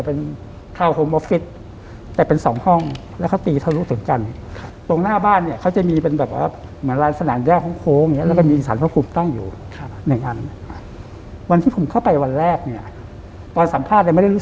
ออฟฟิสที่เป็นวันศุกร์กับวันเสาร์